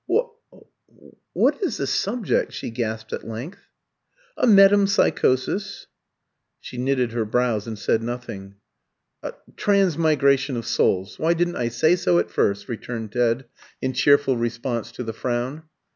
"What what is the subject?" she gasped at length. "A metempsychosis." She knitted her brows and said nothing. "Transmigration of souls why didn't I say so at first?" returned Ted, in cheerful response to the frown.